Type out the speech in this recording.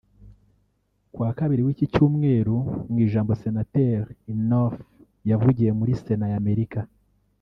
Ku wa Kabiri w’iki Cyumweru mu ijambo Senateri Inhofe yavugiye muri Sena ya Amerika